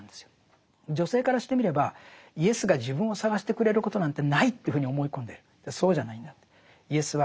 女性からしてみればイエスが自分を探してくれることなんてないというふうに思い込んでる。